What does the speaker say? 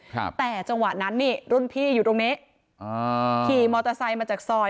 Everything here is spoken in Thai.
ครับแต่จังหวะนั้นนี่รุ่นพี่อยู่ตรงนี้อ่าขี่มอเตอร์ไซค์มาจากซอย